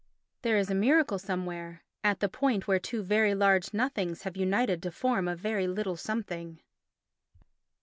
There is a miracle somewhere. At the point where two very large nothings have united to form a very little something.